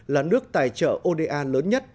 là nước tài trợ oda lớn nhất